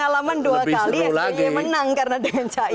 karena pengalaman dua kali yang menang karena dengan c imin